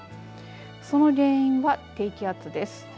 その原因は低気圧です。